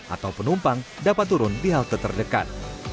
atau penumpang dapat turun di halte terdekat